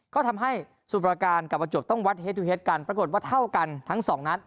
ก็ทำให้สมุทรประการกับประจวบต้องวัดเฮสตูเฮดกันปรากฏว่าเท่ากันทั้งสองนัด